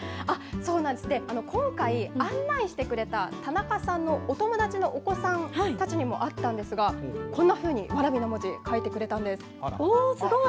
そうなんです、今回、案内してくれた田中さんのお友達のお子さんたちにも会ったんですが、こんなふうに蕨の文字、書いてくれおー、すごい。